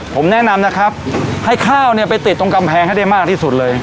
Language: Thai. ผมแนะนำนะครับให้ข้าวเนี่ยไปติดตรงกำแพงให้ได้มากที่สุดเลย